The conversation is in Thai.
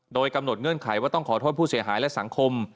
โดยกำหนดเงื่อนไขว่าต้องขอโทษผู้เสียหายและสังคม